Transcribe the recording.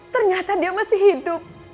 ternyata dia masih hidup